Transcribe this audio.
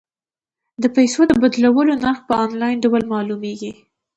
د پيسو د بدلولو نرخ په انلاین ډول معلومیږي.